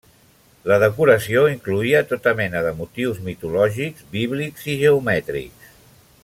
La decoració incloïa tota mena de motius, mitològics, bíblics i geomètrics.